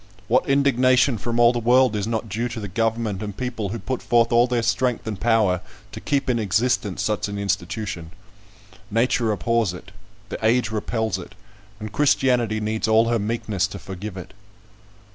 What indignation from all the world is not due to the government and people who put forth all their strength and power to keep in existence such an institution? Nature abhors it; the age repels it; and Christianity needs all her meekness to forgive it.